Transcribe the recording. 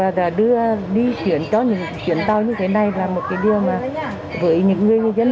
bạn bạc và đưa đi chuyển cho những chuyển tàu như thế này là một cái điều mà với những người dân